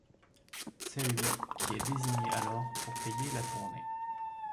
C’est lui qui est désigné alors pour payer la tournée.